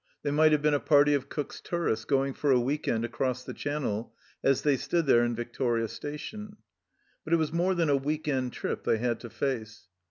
They might have been a party of Cook's tourists going for a week end across the Channel as they stood there in Victoria Station ; but it was more than a week end trip they had to face.